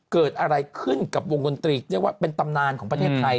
เกิดอะไรขึ้นกับวงกลยนตรีเป็นตำนานของประเทศไทย